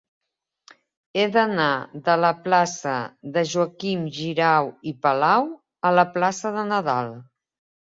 He d'anar de la plaça de Joaquim Xirau i Palau a la plaça de Nadal.